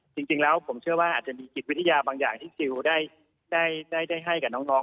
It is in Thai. จริงแล้วผมเชื่อว่าอาจจะมีจิตวิทยาบางอย่างที่จิลได้ให้กับน้อง